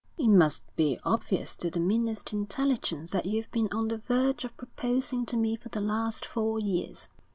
'It must be obvious to the meanest intelligence that you've been on the verge of proposing to me for the last four years.'